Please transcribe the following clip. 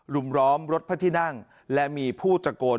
ล้อมรถพระที่นั่งและมีผู้ตะโกน